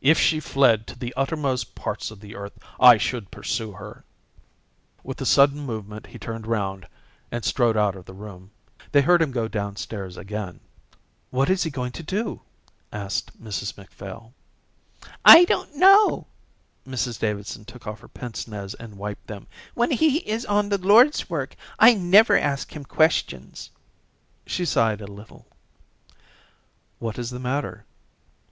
"If she fled to the uttermost parts of the earth I should pursue her." With a sudden movement he turned round and strode out of the room. They heard him go downstairs again. "What is he going to do?" asked Mrs Macphail. "I don't know." Mrs Davidson took off her pince nez and wiped them. "When he is on the Lord's work I never ask him questions." She sighed a little. "What is the matter?"